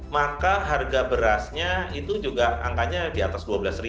maka harga berasnya itu juga angkanya di atas rp dua belas